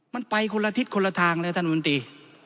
มันไปคนละทิศคนละทางแล้วท่านบุญตี